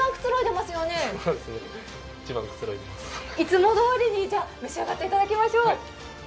いつもどおりに召し上がっていただきましょう。